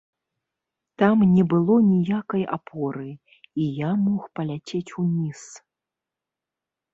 Там не было ніякай апоры, і я мог паляцець уніз.